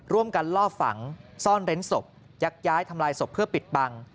ล่อฝังซ่อนเร้นศพยักย้ายทำลายศพเพื่อปิดบัง